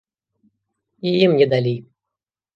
І ім не далі.